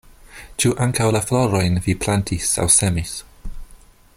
Ĉu ankaŭ la florojn vi plantis aŭ semis?